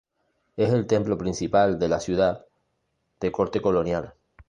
Es el templo principal de la ciudad, de corte colonial.